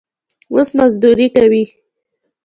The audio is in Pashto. اوس مزدوري کوي.